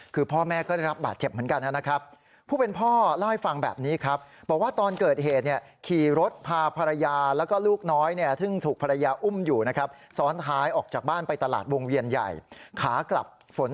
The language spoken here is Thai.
คือพ่อแม่ก็ได้รับบาดเจ็บเหมือนกันนะครับ